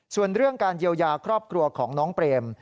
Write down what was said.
ส่วนเรื่องการเยียวยาครอบครัวของน้องเปรม